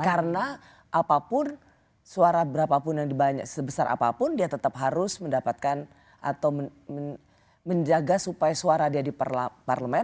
karena apapun suara berapapun yang dibanyak sebesar apapun dia tetap harus mendapatkan atau menjaga supaya suara dia di parlemen